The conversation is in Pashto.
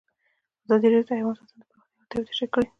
ازادي راډیو د حیوان ساتنه د پراختیا اړتیاوې تشریح کړي.